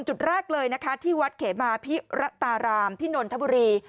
จุดแรกเลยนะคะที่วัดเขมาพิระตารามที่นนทบุรี